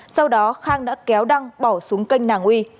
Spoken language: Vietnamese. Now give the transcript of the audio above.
sau đó khang đã kéo đăng bỏ xuống kênh nàng uy